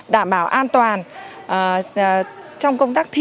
đảm bảo an toàn trong công tác thi